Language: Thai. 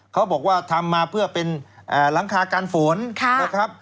เขาบอกว่าทำมาเพื่อเป็นหลังคาการฝนนะครับ